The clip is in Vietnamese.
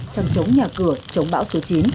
chăm chống nhà cửa chống bão số chín